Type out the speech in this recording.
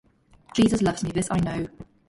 Jesus loves me; this I know.